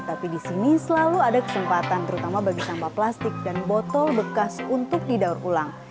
tapi di sini selalu ada kesempatan terutama bagi sampah plastik dan botol bekas untuk didaur ulang